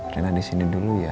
rena disini dulu ya